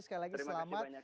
sekali lagi selamat